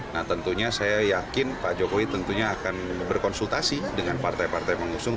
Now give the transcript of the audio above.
nah tentunya saya yakin pak jokowi tentunya akan berkonsultasi dengan partai partai pengusung